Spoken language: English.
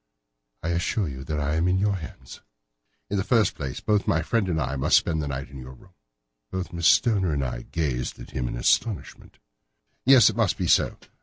"I assure you that I am in your hands." "In the first place, both my friend and I must spend the night in your room." Both Miss Stoner and I gazed at him in astonishment. "Yes, it must be so.